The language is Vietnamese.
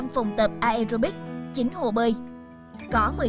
một mươi năm phòng tập aerobics chín hồ bơi